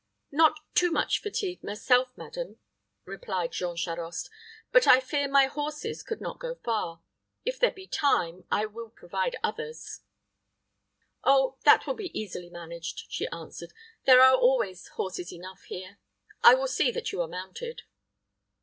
"Not too much fatigued myself, madam," replied Jean Charost; "but I fear my horses could not go far. If there be time, I will provide others." "Oh, that will be easily managed," she answered. "There are always horses enough here. I will see that you are mounted."